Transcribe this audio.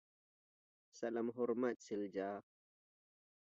Salam hormat, Silja.